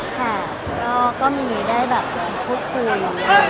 ค่ะก็มีได้แบบพูดคุย